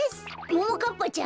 ももかっぱちゃん？